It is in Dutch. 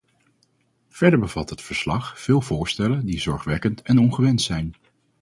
Verder bevat het verslag veel voorstellen die zorgwekkend en ongewenst zijn.